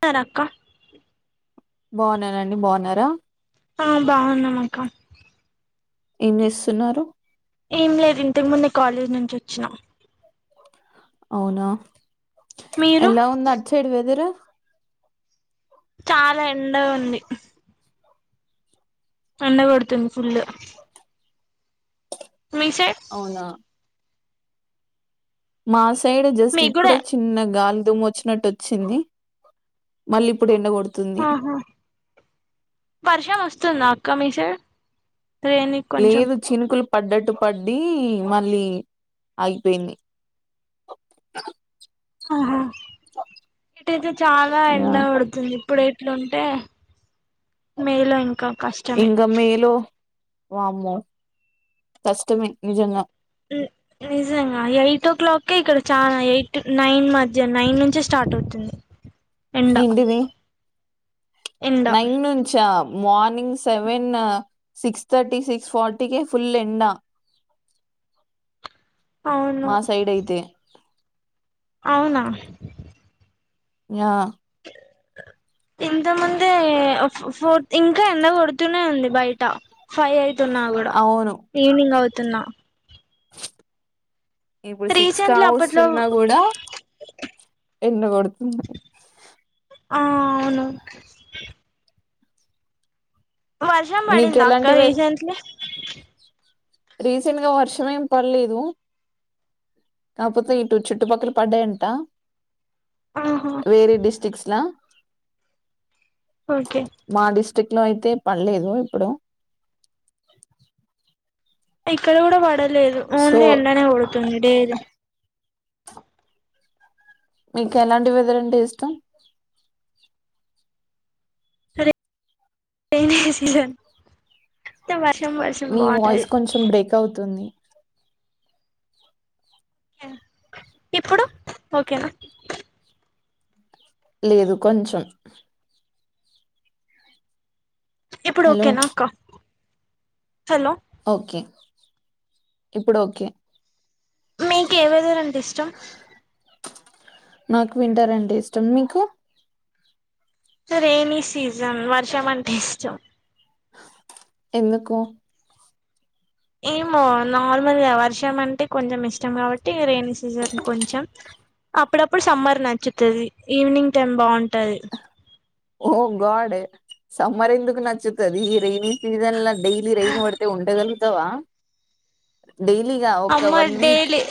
నారా అక్క బాగున్నానండి బాగున్నారా ఆ బాగున్నామక్క ఏం చేస్తున్నారు ఏం లేదు ఇంతకుముందే కాలేజ్ నుంచి వచ్చినా అవునా మీరు ఎలా ఉంది అటు సైడు వెదరు చాలా ఎండ ఉంది ఎండ కొడుతుంది ఫుల్ మీ సైడ్ అవునా మా సైడ్ జస్ట్ మీకు కూడా ఇప్పుడే చిన్న గాలి దుమ్ము వచ్చినట్టు వచ్చింది మళ్ళీ ఇప్పుడు ఎండగ ఆహా వర్షం వస్తుందా అక్క మీసైడు తువేనిక్ కొంచెం లేదు చినుకులు పడ్డట్టు పడ్డి మళ్ళీ ఆగిపిందీ [inaudible] ఆహా ఇటైతే చాలా యా ఎండ పడుతుంది ఇప్పుడైతే ఇట్లుంటే మేలో ఇంకా కష్టమే ఎండ మేలో వామ్మో కష్టమే నిజంగా నిజంగా ఎయిట్ ఓ క్లాక్కే ఇక్కడ చాలా ఎయిట్ నైన్ మధ్య నైన్ నుంచే స్టార్ట్ అవుతుంది ఎండ ఏంటిది ఎండ నైన్ నుంచా morning seven six thirty six ఫార్టీకే ఫుల్ ఎండా [inaudible] అవును మా సైడ్ అయితే అవునా యా [inaudible] ఇంతముందే ఫోర్ ఇంకా ఎంత కొడుతూనే ఉంది బయట ఫైవ్ అయితున్నా కూడా అవును ఈవినింగ్ అవుతున్నా ఇప్పుడు సిక్స్ కా రీసెంట్లీ అప్పట్లో వస్తున్నా కూడా ఎండ కొడుతున్ ఆ అవును వర్షం మంది మీకు అక్క ఎలాంటి వే రీసెంట్లీ రీసెంట్ గా వర్షం ఏం పడ్లేదు కాకపోతే ఇటు చుట్టుపక్కల పడ్డాయంట ఆహా వేరే డిస్ట్రక్ట్స్లా ఓకే క్లో అయితే పడలేదు ఇప్పుడు ఇక్కడ కూడా పడలేదు సో ఓన్లీ ఎండనే కొడుతుంది డేలీ మీకు ఎలాంటి వెదర్ అంటే ఇష్టం కొత్త మీ వాయిస్ కొంచెం బ్రేక్ అవుతుంది యా ఇప్పుడు ఓకేనా లేదు కొంచెం ఇప్పుడు హలో ఓకేనాక్క హలో ఓకే ఇప్పుడు ఓకే మీకు ఏ వెదర్ అంటే ఇష్టం నాకు విన్టర్ అంటే ఇష్టం మీకు రెైనీ సీజన్ వర్షం అంటే ఇష్టం ఎందుకు ఏమో నార్మల్గా వర్షం అంటే కొంచం ఇష్టం కాబట్టి రెైనీ సీజన్ కొంచం అప్పుడప్పుడు సమ్మర్ నచ్చుతది ఈవినింగ్ టైం బావుంటది. ఓ గాడ్ సమ్మర్ ఎందుకు నచ్చుతది ఈ రెైనీ సీజన్ల డైలీ రైన్ పడితే ఉండగలుగుతావా డైలీగా ఒక అమ్మర్ వన్ వీక్ డైలీ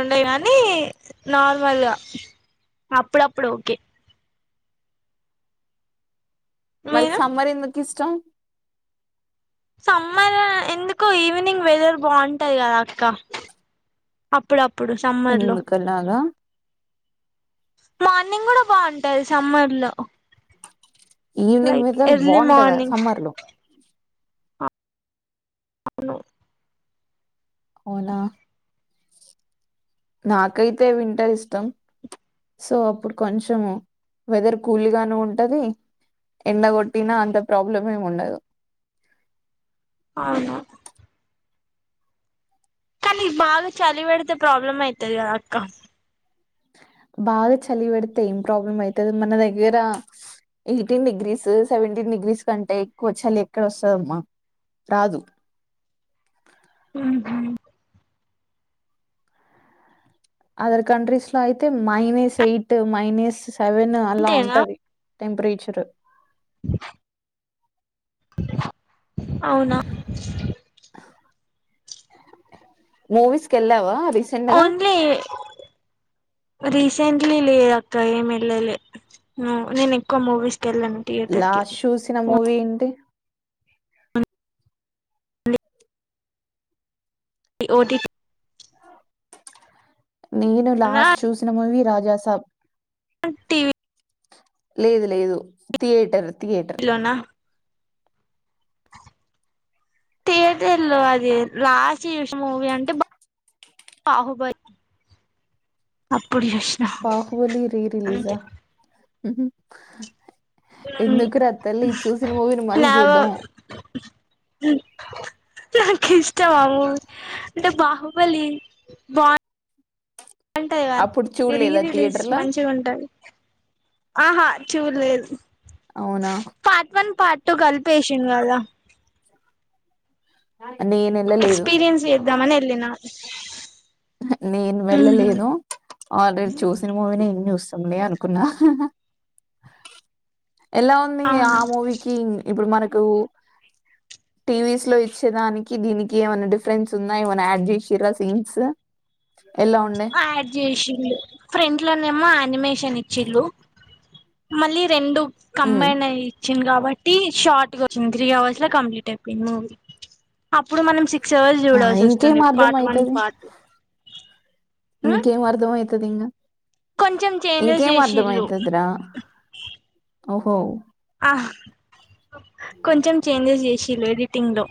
ఉండ గాని నార్మల్గా అప్పుడప్పుడు ఓకే మరి మీరు సమ్మర్ ఎందుకు ఇష్టం సమ్మర్ ఎందుకో ఈవినింగ్ వెదర్ బావుంటాది కదా అక్క. అప్పుడప్ ఎందుకలాగా మార్నింగ్ కూడా బావుంటది సమ్మర్ లో ఈవినింగ్ లైక్ వెదర్ ఎర్లీ బావుంటదా మార్నింగ్ సమ్మర్ లో అవును అవునా నాకైతే వింటర్ ఇష్టం సో అప్పుడు కొంచము వెదర్ కూల్గాను ఉంటది. ఎండ కొట్టినా అంత ప్రాబ్లమేమి ఉండదు. అవునా కానీ బాగా చలి వెడితే ప్రాబ్లమ్ అయితది కదా అక్క బాగా చలి వెడితే ఏం ప్రాబ్లం అయితది మన దగ్గర ఎయిటీన్ డిగ్రీస్, సెవెంటీన్ డిగ్రీస్ కంటే ఎక్కువ చలి ఎక్కడ వస్తదమ్మా రాదు హు ఉమ్ అదర్ కంట్రీస్ లో అయితే మైనస్ ఎయిట్, మైనస్ సెవెన్ అలా అంతేనా ఉంటది. టెంపరేచరు అవునా మూవీస్ కెల్లావా ఓన్లీ రిస్ సెంట్లీ లేదక్క ఏం ఎల్లలే ఉమ్ నేను ఎక్కువ మూవీస్ కెల్లను థియేటర్కి లాస్ట్ చూసిన ఓన్ మూవీ ఏంటి లీ ఓటీటి నేను లాస్ట్ చూసిన మూవీ రాజాసాబ్ అండ్ టీవీ లేదు లేదు థియేటర్ థియేటర్ టీవీలోనా థియేటర్ లో అది లాస్ట్ చూస్న మూవీ అంటే బ బాహుబలి అప్పుడు చూసిన బాహుబలి రీ రిలీజా అంతే ఉమ్ ఎందుకు రా తల్లి చూసిన మూవీని మళ్ళీ నావ చూడడం మ్ నాకిష్టం ఆ మూవీ అంటే బాహుబలి బావుం టదిగా అప్పుడు ఈ రీ చూడలేదా రిలీస్ థియేటర్లా మంచిగా ఉంటది ఆహా చూలేదు అవునా పార్ట్ వన్, పార్ట్ టూ కలిపి ఏషిండ్రు కదా నేను వెళ్ళలేదు ఎక్స్పీరియన్స్ చేద్దామని ఎళ్లినా నేను వెళ్ళలేను ఆల్రెడీ చూసిన మూవీనే ఏం చూస్ తములే అనుకున్నా ఎలా ఉంది ఆ అవునా మూవీకి ఇప్పుడు మనకు టీవీస్ లో ఇచ్చేదానికి దీనికి ఏమైనా డిఫరెన్స్ ఉందా ఏమైన్నా యాడ్ చేసారా సీన్స్. ఎలా ఉండే యాడ్ చేసిండు ఫ్రెం ఇట్లోనేమో అనిమేషన్ ఇచ్చిళు మళ్ళీ రెండు ఉమ్. కంబైన్ అయి ఇచ్చింది కాబట్టి షార్ట్ గా వచ్చింది త్రీ అవర్స్ లా కంప్లీట్ అయిపోయింది మూవీ అప్పుడు మనం సిక్స్ అవర్స్ ఆ, ఇంకేం జూడాల్సిసోస్తోంది వస్తుంది అర్థం పార్ట్ వన్ అవుతుంది పార్ట్ టు ఇంకేం అర్ధం అయితది ఇంగా కొంచెం చేంజెస్ ఇంకేం అర్ధం చేసిళ్ళు అయితద్ ద్ర ఓహో ఆ కొంచెం చేంజెస్ చేసిల్లు ఎడిటింగ్ లో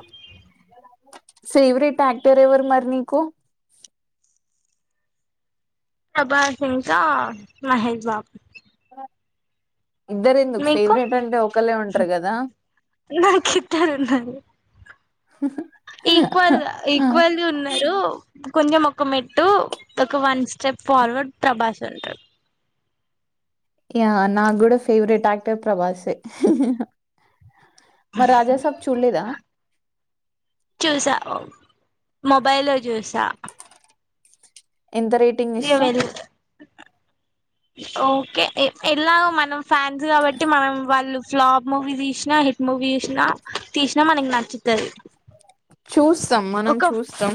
ఫేవరెట్ ఎక్టర్ ఎవరున్నారు నీకు ప్రభాస్ ఇంకా మహేష్ బాబు ఇద్దరు ఎందుకు మీకు ఫేవరెట్ అంటే ఒకళ్ళే ఉంటరు కదా నాకిద్దరున్నారు ఈక్వల్ గా ఈక్వల్ ది ఉన్నారు కొంచెంమొక మెట్టు ఒక వన్ స్టెప్ ఫార్వర్డ్ ప్రభాస్ ఉంటడు నాకు కూడా ఫేవరెట్ యాక్టర్ ప్రభాసే మర్ రాజా సాబ్ చూడ్లేద మొబైల్ లో చూసా ఎంత రేటింగ్ ఇగ ఇస్త వెళ్ ఓకే ఎ ఎలాగ మనం ఫ్యాన్స్ కాబట్టి మనం వాళ్ళు ఫ్లాప్ మూవీ తీసినా హిట్ మూవీ తీసినా తీసినా మనకి నచ్చుతది చూస్తాం మనం ఒక చూస్తాం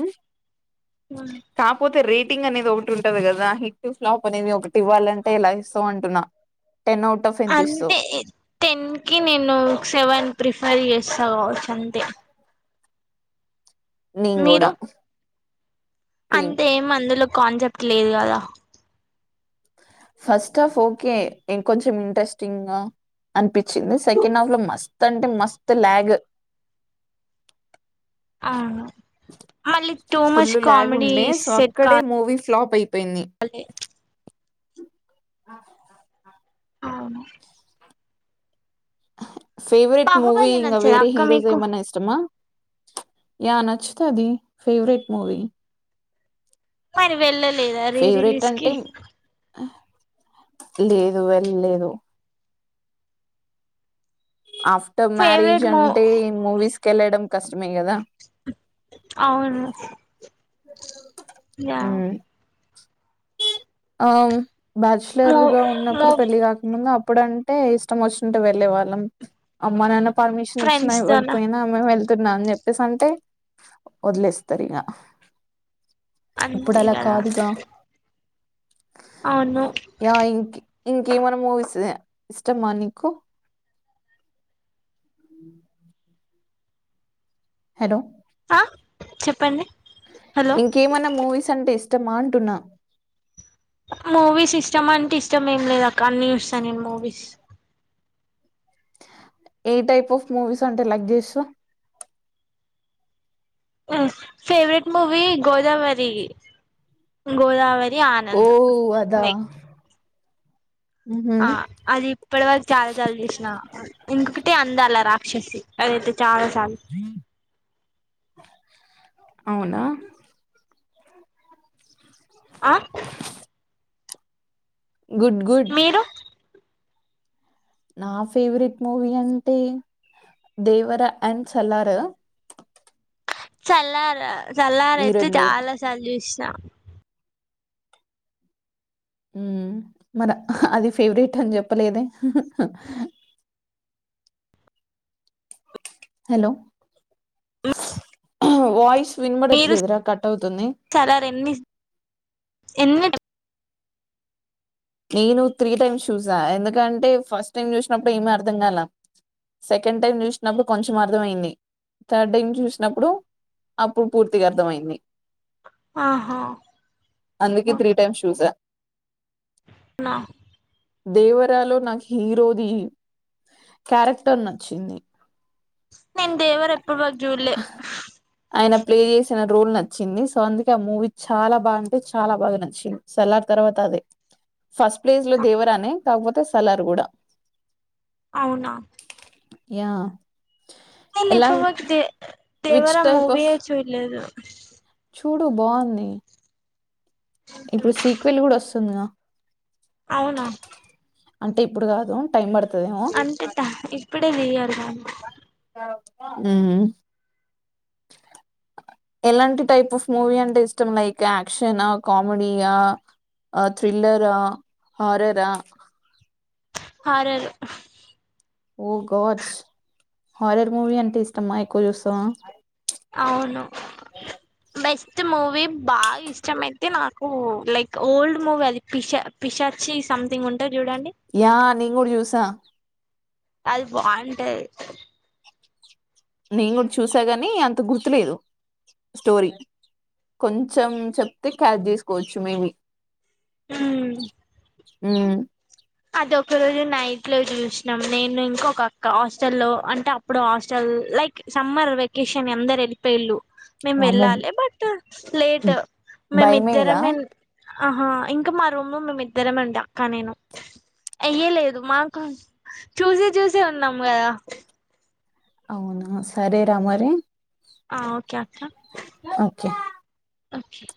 కాపోతే రేట్ హిట్టింగ్ అనేది ఒకటి ఉంటది కదా హిట్ ఫ్లాప్ అనేది ఒకటి ఇవ్వాలంటే ఎలా ఇస్తావ్ అంటున్నా టెన్ అవుట్ ఆఫ్ ఎంత ఇస్తావు అంటే టెన్ కి నేను సెవెన్ ప్రిఫర్ చేస్త స సంతే నేన్ కూడా సేమ్ అంతేం అందులో కాన్సెప్ట్ లేదు కదా ఫస్ట్ ఆఫ్ ఓకే కొంచం ఇంట్రెస్టింగా అనిపించింది సెకండ్ హాఫ్ లో మస్త్ అంటే మస్త్ లాగ్ అవును మళ్ళీ too much full lag comedy ఉండే సో సెట్ అక్కడే కాల్ మూవీ ఫ్లాప్ అయిపోయింది అలే ఆ అవును ఫేవరెట్ మూవి బాహుబలి ఇంగ నచ్చదా వేరే అక్క హీరోస్ మీకు ఏమనా ఇష్టమా యా నచ్చుతది ఫేవరెట్ మూవీ మరి వెళ్ళలేదా రీ ఫేవరెట్ రిలీజ్ అంటే కి లేదు వెళ్ళలేదు ఆఫ్టర్ మ్యారేజ్ ఫేవరెట్ మూ అంటే మూవీస్ కి వెళ్లడం అవును యా ఆ, బ్యాచ్లర్ మూ గా మూ ఉన్నప్పుడు పెళ్ళి కాకముందు. అప్పుడు అంటే ఇష్టం వస్తుంటే వెళ్ళే వాళ్ళం అమ్మా నాన్న. పర్మిషన్ ఇచ్చినా ఫ్రెండ్స్ తోనా ఇవ్వకపోయినా మేం మేళ్త తిన్నా అని చెప్పేసి అంటే వదిలేస్తారు ఇక ఇప్పుడు అంతే అలా కదా కాదుగా అవును ఇంకేమనా మూవీస్ ఇష్టమా నీకు ఉ హలో ఆ చెప్పండి హలో ఇంకేమన్నా మూవీస్ అంటే ఇష్టమా అంటున్నా మూవీస్ ఇష్టం అంటే ఇష్టం ఏం లేదు అక్క అన్ని చూస్తా నేను మూవీస్ ఏ టైప్ ఆఫ్ మూవీస్ అంటే లైక్ చేస్తావ్ మ్ ఫేవరెట్ మూవి గోదావరి గోదావరి ది ఓ ఆనందం అదా మై ఉహు ఆ అది ఇప్పటి వరకు చాలా సార్ల చూసిన. ఇంటికే అందాలా రాక్షసి అదైతే చాలా సార్ల. అవునా ఆ గుడ్ గుడ్. మీరు నా ఫేవరెట్ మూవీ అంటే. దేవరా అండ్ సల్లారు. సల్లారు సల్లారైతే రెండు చాలాసార్లు చూసినా. హ్మ్ మరి అది ఫేవరెట్ అని చెప్పలేదే. Hello voice. విన మీరు పడట్లేదురా కట్ అవుతుంది. చల్లార ఎన్ని [unintelligible] నేను త్రీ టైమ్స్ చూసా ఎందుకంటే ఫస్ట్ టైమ్ చూసినప్పుడు ఏమి అర్ధం కాలే. సెకండ్ టైం చూసినప్పుడు కొంచెం అర్థమయింది థర్డ్ టైం చూసినప్పుడు. అప్పుడు పూర్తిగా అర్థమయింది. ఆహా అందుకే త్రీ టైమ్ చూసా. నా దేవరాలో నాకు హీరోది క్యారెక్టర్ నచ్చింది. నేను దేవర ఎప్పటి వరకు చూడలే ఆయన ప్లే చేసిన రోల్ నచ్చ. నచ్చింది సో అందుకే ఆ మూవీ చాలా బాగా అంటే చాలా బాగా నచ్చింది సలార్ తర్వాత అదే. ఫస్ట్ ప్లేజ్ లో దేవరానే కాకపోతే సలార్ కూడా. అవునా. యా నేను ఎలా ఇప్పటివరకు which Devara type movie of చూడలేదు. చూడు బాగుంది. ఇప్పుడు సీక్వెల్ కూడా వస్తుందిగా. అవునా. అంటే ఇప్పుడు కాదు టైం పడుత. అంతట ఇప్పుడే తీయాలగా. హ్మ్ [inaudible] ఎలాంటి టైప్ ఆఫ్ మూవీ అంటే ఇష్టం లైక్ యాక్షన్ కామెడీయా. ఆ థ్రిలర్ హారరా. Horror oh god horror movie అంటే ఇష్టమ్మా ఎక్కువ చూస్తాం. అవును [unintelligible] బెస్ట్ మూవీ బాగా ఇష్టం అయితే నాకు లైక్ ఓల్డ్ మూవీ అది పిష పిషాచి సంథింగ్ ఉ. యా నేను కూడా చూసా. అది బాగుంటాది. నేను కూడా చూసాగాని అంత గుర్తులేదు స్టోరీ. కొంచెం చెప్తే క్యారి చేసుకోవచ్చు మేబి. హ్మ్ హ్మ్ అది ఒక రోజు నైట్ లో చూసినాం నేను ఇంక ఒకక్క హాస్టల్ లో అంటే అప్పుడు హాస్టల్. లైక్ సమ్మర్ వెకేషన్ అందరు వెళ్ళిపోయిళ్ళు. మేము వామ్మో వెళ్ళాలి బట్ లేట్ మేము భయమేదా ఇద్దరమే. ఆహా ఇంకా మా రూమ్ లో మేమి ఇద్దరమే ఉండి అక్క నేను. అయ్య లేదు మాకు చూసే చూసే ఉన్నాం కదా అవునా సరే రా మరి ఆ ఓకే అక్క ఓకే ఓకే